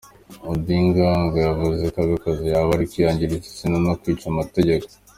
Odinga ngo yavuze ko abikoze yaba ari kwiyangiriza izina no kwica amategeko.